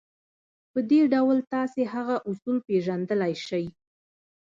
په دې ډول تاسې هغه اصول پېژندلای شئ.